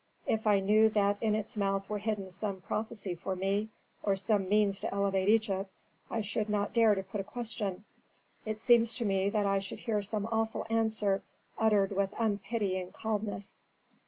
If I knew that in its mouth were hidden some prophecy for me, or some means to elevate Egypt, I should not dare to put a question. It seems to me that I should hear some awful answer uttered with unpitying calmness.